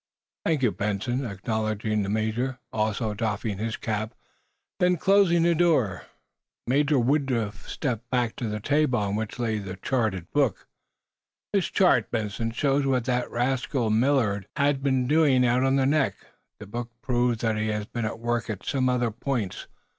"Thank you, Benson," acknowledged the major, also doffing his own cap. Then, closing the door, Major Woodruff stepped back to the table on which lay chart and book. "This chart, Benson, shows what the rascal Millard, has been doing out on the neck. This book proves that he has been at work at some other points.